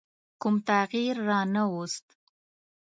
کوم تغییر رانه ووست.